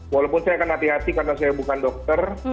walaupun saya akan hati hati karena saya bukan dokter